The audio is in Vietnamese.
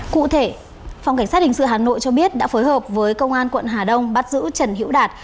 cụ thể phòng cảnh sát hình sự hà nội cho biết đã phối hợp với công an quận hà đông bắt giữ trần hữu đạt